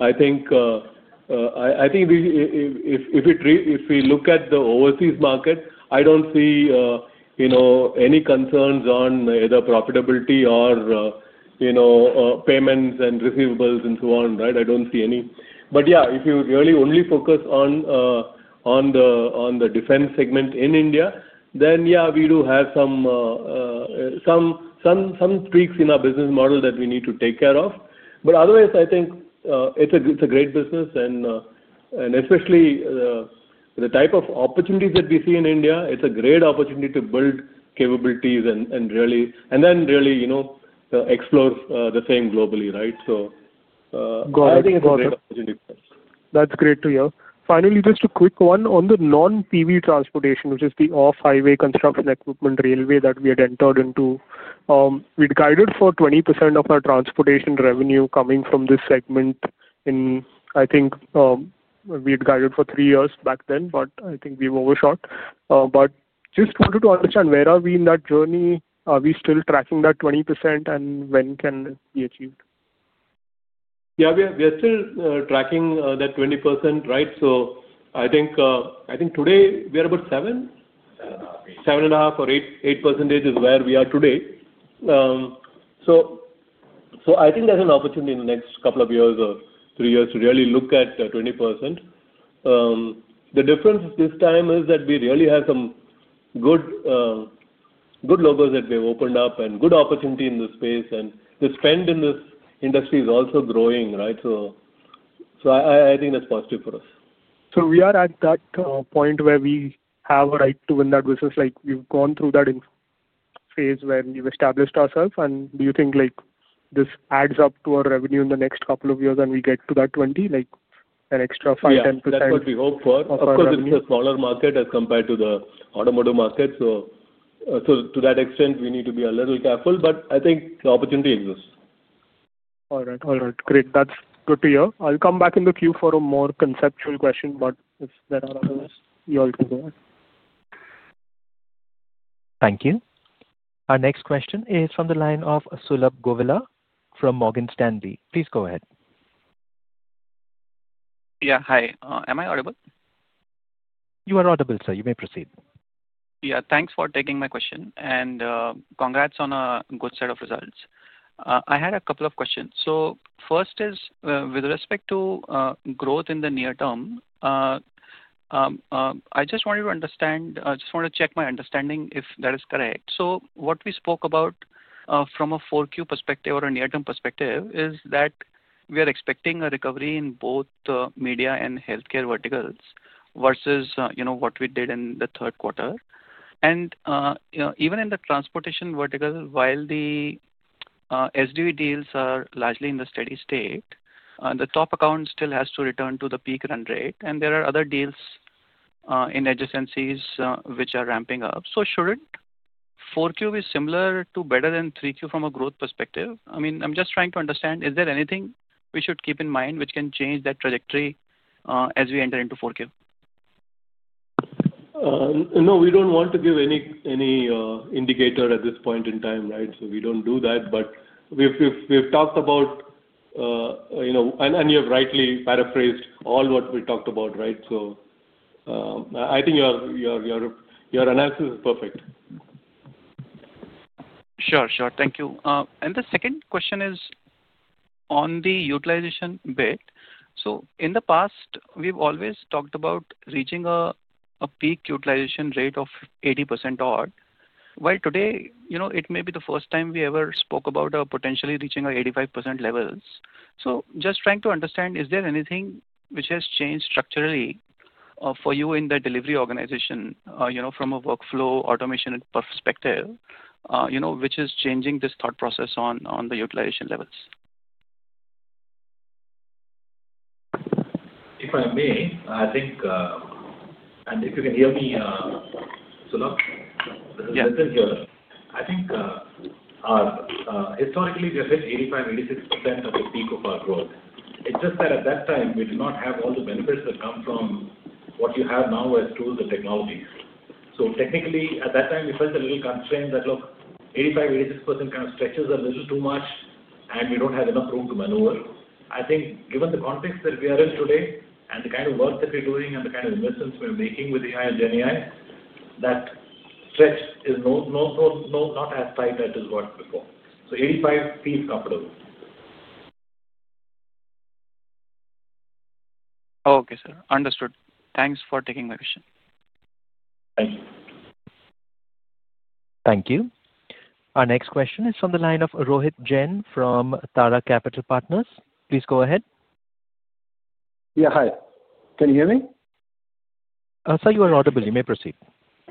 I think if we look at the overseas market, I don't see any concerns on either profitability or payments and receivables and so on, right? I don't see any. But yeah, if you really only focus on the defense segment in India, then yeah, we do have some tweaks in our business model that we need to take care of. But otherwise, I think it's a great business. And especially the type of opportunities that we see in India, it's a great opportunity to build capabilities and then really explore the same globally, right? So I think it's a great opportunity.
That's great to hear. Finally, just a quick one on the non-PV transportation, which is the off-highway construction equipment railway that we had entered into. We'd guided for 20% of our transportation revenue coming from this segment in, I think we had guided for three years back then, but I think we've overshot. But just wanted to understand, where are we in that journey? Are we still tracking that 20%, and when can it be achieved?
Yeah. We are still tracking that 20%, right? So I think today we are about seven, seven and a half or eight% is where we are today. So I think there's an opportunity in the next couple of years or three years to really look at 20%. The difference this time is that we really have some good logos that we have opened up and good opportunity in this space. And the spend in this industry is also growing, right? So I think that's positive for us.
So we are at that point where we have a right to win that business. We've gone through that phase where we've established ourselves. And do you think this adds up to our revenue in the next couple of years when we get to that 20%, an extra 5%-10%?
Yeah. That's what we hope for. Of course, it's a smaller market as compared to the automotive market. So to that extent, we need to be a little careful. But I think the opportunity exists.
All right. All right. Great. That's good to hear. I'll come back in the queue for a more conceptual question, but if there are others, you're all good.
Thank you. Our next question is from the line of Sulabh Govila from Morgan Stanley. Please go ahead.
Yeah. Hi. Am I audible?
You are audible, sir. You may proceed.
Yeah. Thanks for taking my question and congrats on a good set of results. I had a couple of questions, so first is, with respect to growth in the near term, I just want to check my understanding if that is correct, so what we spoke about from a forward-view perspective or a near-term perspective is that we are expecting a recovery in both media and healthcare verticals versus what we did in the third quarter, and even in the transportation vertical, while the SDV deals are largely in the steady state, the top account still has to return to the peak run rate, and there are other deals in adjacencies which are ramping up, so shouldn't forward-view be similar to better than 3Q from a growth perspective? I mean, I'm just trying to understand, is there anything we should keep in mind which can change that trajectory as we enter into forward-view?
No, we don't want to give any indicator at this point in time, right? So we don't do that. But we've talked about, and you have rightly paraphrased all what we talked about, right? So I think your analysis is perfect.
Sure. Sure. Thank you. And the second question is on the utilization bit. So in the past, we've always talked about reaching a peak utilization rate of 80% odd. While today, it may be the first time we ever spoke about potentially reaching 85% levels. So just trying to understand, is there anything which has changed structurally for you in the delivery organization from a workflow automation perspective, which is changing this thought process on the utilization levels?
If I may, I think, and if you can hear me, Sulabh. I think historically, we have hit 85%, 86% of the peak of our growth. It's just that at that time, we did not have all the benefits that come from what you have now as tools and technologies. So technically, at that time, we felt a little constrained that, look, 85%, 86% kind of stretches a little too much, and we don't have enough room to maneuver. I think given the context that we are in today and the kind of work that we're doing and the kind of investments we're making with AI and GenAI, that stretch is not as tight as it was before, so 85% feels comfortable.
Okay, sir. Understood. Thanks for taking my question.
Thank you.
Thank you. Our next question is from the line of Rohit Jain from Tara Capital Partners. Please go ahead.
Yeah. Hi. Can you hear me?
Sir, you are audible. You may proceed.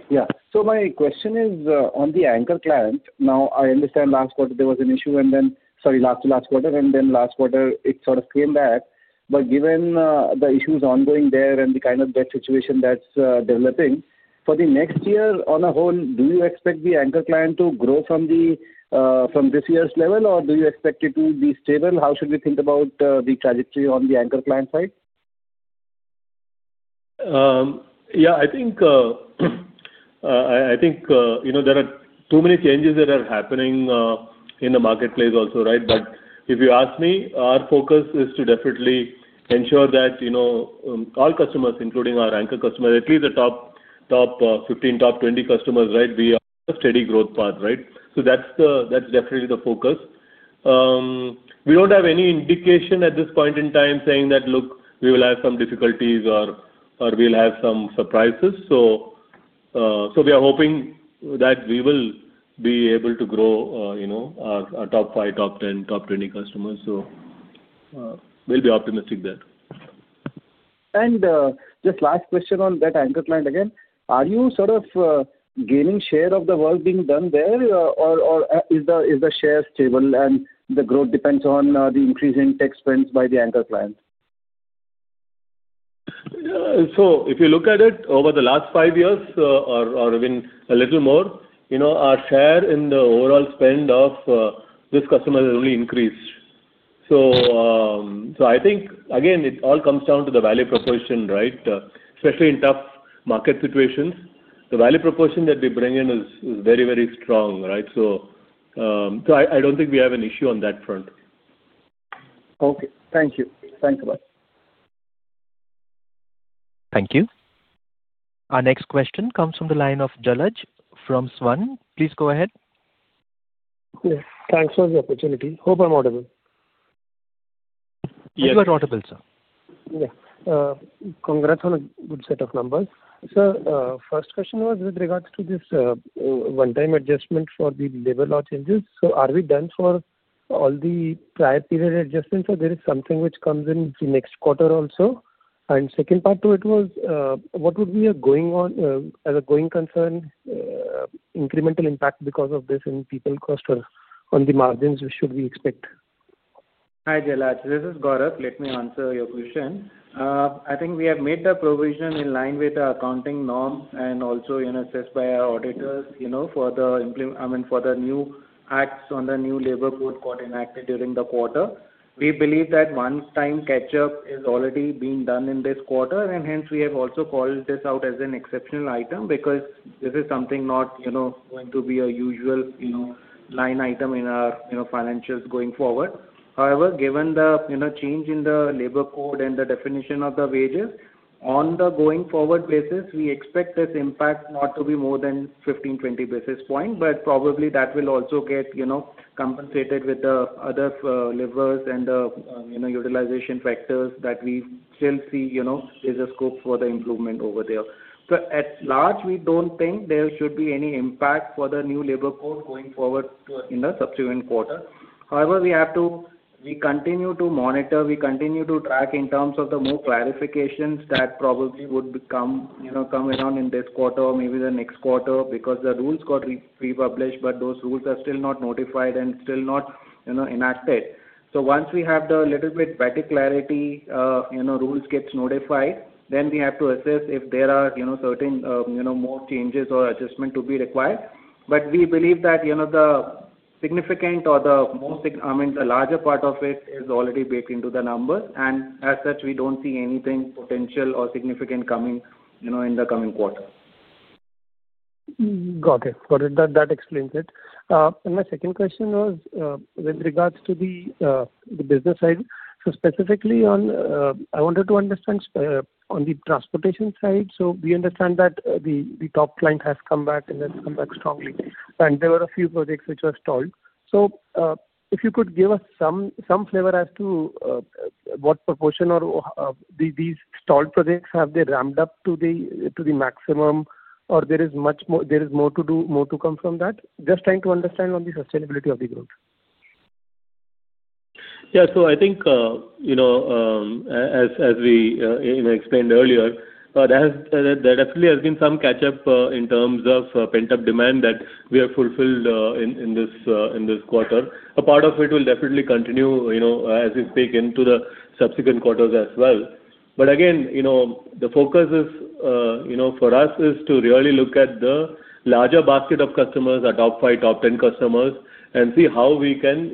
Yeah. So my question is on the anchor client. Now, I understand last quarter, there was an issue, and then sorry, last to last quarter, and then last quarter, it sort of came back. But given the issues ongoing there and the kind of debt situation that's developing, for the next year on a whole, do you expect the anchor client to grow from this year's level, or do you expect it to be stable? How should we think about the trajectory on the anchor client side?
Yeah. I think there are too many changes that are happening in the marketplace also, right? But if you ask me, our focus is to definitely ensure that all customers, including our anchor customers, at least the top 15, top 20 customers, right, we are on a steady growth path, right? So that's definitely the focus. We don't have any indication at this point in time saying that, look, we will have some difficulties or we'll have some surprises. So we are hoping that we will be able to grow our top five, top 10, top 20 customers. So we'll be optimistic there.
And just last question on that anchor client again. Are you sort of gaining share of the work being done there, or is the share stable and the growth depends on the increase in tech spends by the anchor client?
So if you look at it over the last five years or even a little more, our share in the overall spend of this customer has only increased. So I think, again, it all comes down to the value proposition, right? Especially in tough market situations, the value proposition that we bring in is very, very strong, right? So I don't think we have an issue on that front.
Okay. Thank you. Thanks a lot.
Thank you. Our next question comes from the line of Jalaj from Svan. Please go ahead.
Thanks for the opportunity. Hope I'm audible.
Yes. You are audible, sir.
Yeah. Congrats on a good set of numbers. Sir, first question was with regards to this one-time adjustment for the labor law changes. So are we done for all the prior period adjustments? Or is there something which comes in the next quarter also? And second part to it was, what would be the going forward incremental impact because of this in people cost or on the margins we should expect?
Hi, Jalaj. This is Gaurav. Let me answer your question. I think we have made the provision in line with our accounting norm and also assessed by our auditors for the new acts on the new Labour Code code enacted during the quarter. We believe that one-time catch-up is already being done in this quarter, and hence, we have also called this out as an exceptional item because this is something not going to be a usual line item in our financials going forward. However, given the change in the Labour Code and the definition of the wages, on the going forward basis, we expect this impact not to be more than 15-20 basis points, but probably that will also get compensated with the other levers and the utilization factors that we still see there's a scope for the improvement over there. At large, we don't think there should be any impact for the new Labour Code going forward in the subsequent quarter. However, we continue to monitor, we continue to track in terms of the more clarifications that probably would come around in this quarter or maybe the next quarter because the rules got republished, but those rules are still not notified and still not enacted. Once we have the little bit better clarity, rules gets notified, then we have to assess if there are certain more changes or adjustment to be required. But we believe that the significant or the larger part of it is already baked into the numbers. As such, we don't see anything potential or significant coming in the coming quarter.
Got it. Got it. That explains it. And my second question was with regards to the business side. So specifically on I wanted to understand on the transportation side. So we understand that the top client has come back and has come back strongly. And there were a few projects which were stalled. So if you could give us some flavor as to what proportion or these stalled projects have they ramped up to the maximum or there is more to do, more to come from that? Just trying to understand on the sustainability of the growth.
Yeah. So I think as we explained earlier, there definitely has been some catch-up in terms of pent-up demand that we have fulfilled in this quarter. A part of it will definitely continue as we speak into the subsequent quarters as well. But again, the focus for us is to really look at the larger basket of customers, our top five, top 10 customers, and see how we can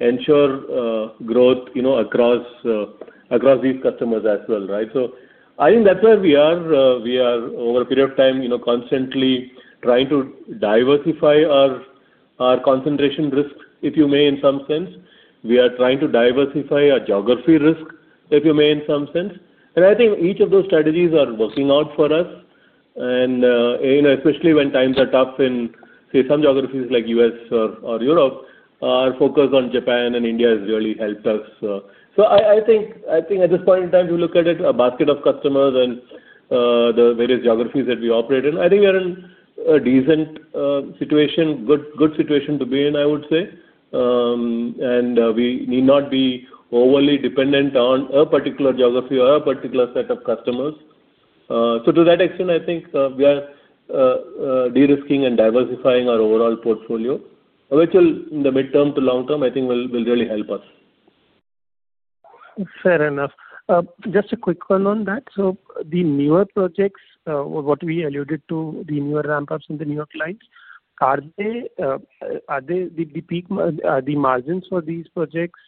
ensure growth across these customers as well, right? So I think that's where we are over a period of time constantly trying to diversify our concentration risk, if you may, in some sense. We are trying to diversify our geography risk, if you may, in some sense. And I think each of those strategies are working out for us. And especially when times are tough in, say, some geographies like U.S. or Europe, our focus on Japan and India has really helped us. So I think at this point in time, if you look at it, a basket of customers and the various geographies that we operate in, I think we are in a decent situation, good situation to be in, I would say. And we need not be overly dependent on a particular geography or a particular set of customers. So to that extent, I think we are de-risking and diversifying our overall portfolio, which in the midterm to long term, I think will really help us.
Fair enough. Just a quick one on that. So the newer projects, what we alluded to, the newer ramp-ups and the newer clients, are the margins for these projects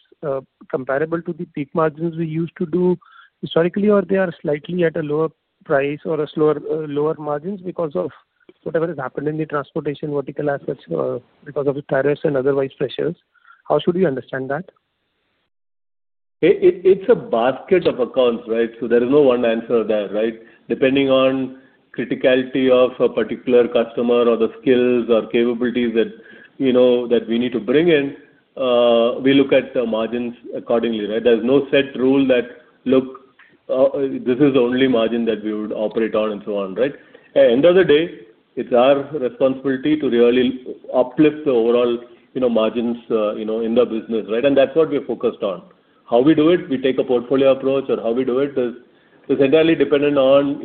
comparable to the peak margins we used to do historically, or they are slightly at a lower price or lower margins because of whatever has happened in the transportation vertical assets because of tariffs and otherwise pressures? How should we understand that?
It's a basket of accounts, right? So there is no one answer there, right? Depending on criticality of a particular customer or the skills or capabilities that we need to bring in, we look at the margins accordingly, right? There's no set rule that, look, this is the only margin that we would operate on and so on, right? At the end of the day, it's our responsibility to really uplift the overall margins in the business, right? And that's what we're focused on. How we do it, we take a portfolio approach, or how we do it is entirely dependent on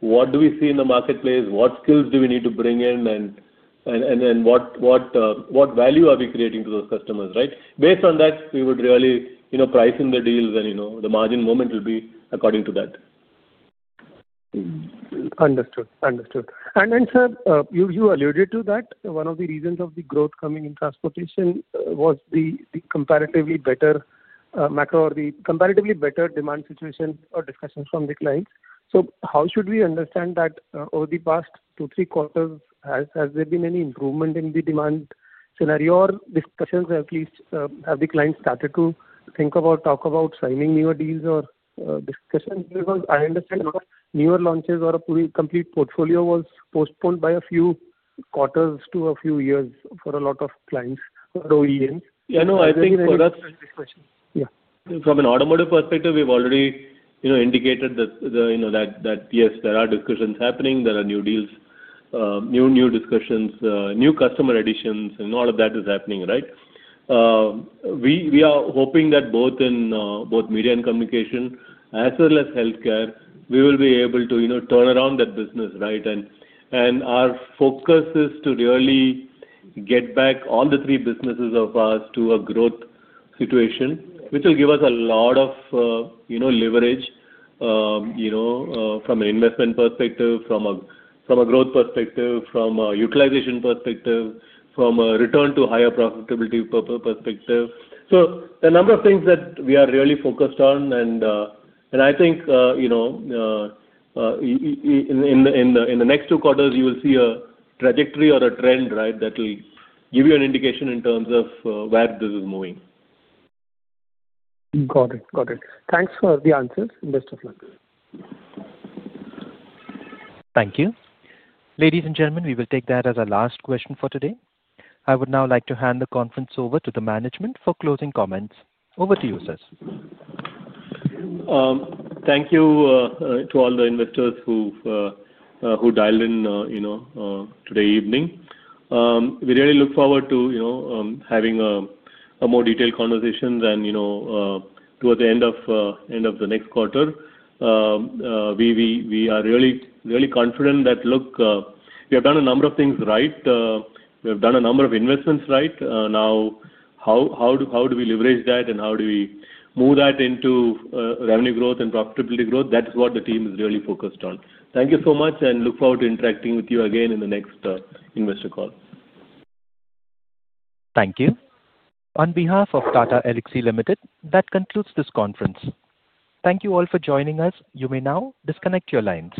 what do we see in the marketplace, what skills do we need to bring in, and then what value are we creating to those customers, right? Based on that, we would really price in the deals, and the margin movement will be according to that.
Understood. Understood, and sir, you alluded to that. One of the reasons of the growth coming in transportation was the comparatively better macro or the comparatively better demand situation or discussions from the clients, so how should we understand that over the past two, three quarters, has there been any improvement in the demand scenario or discussions, or at least have the clients started to think about talk about signing newer deals or discussions? Because I understand newer launches or a complete portfolio was postponed by a few quarters to a few years for a lot of clients or OEMs.
Yeah. No, I think for that. From an automotive perspective, we've already indicated that, yes, there are discussions happening. There are new deals, new discussions, new customer additions, and all of that is happening, right? We are hoping that both in media and communication, as well as healthcare, we will be able to turn around that business, right, and our focus is to really get back all the three businesses of us to a growth situation, which will give us a lot of leverage from an investment perspective, from a growth perspective, from a utilization perspective, from a return to higher profitability perspective, so the number of things that we are really focused on, and I think in the next two quarters, you will see a trajectory or a trend, right, that will give you an indication in terms of where this is moving.
Got it. Got it. Thanks for the answers. Best of luck.
Thank you. Ladies and gentlemen, we will take that as our last question for today. I would now like to hand the conference over to the management for closing comments. Over to you, sir.
Thank you to all the investors who dialed in today evening. We really look forward to having a more detailed conversation towards the end of the next quarter. We are really confident that, look, we have done a number of things right. We have done a number of investments right. Now, how do we leverage that, and how do we move that into revenue growth and profitability growth? That is what the team is really focused on. Thank you so much, and look forward to interacting with you again in the next investor call.
Thank you. On behalf of Tata Elxsi Limited, that concludes this conference. Thank you all for joining us. You may now disconnect your lines.